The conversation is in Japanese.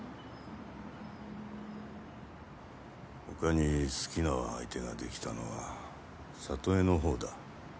他に好きな相手ができたのは小都恵の方だ。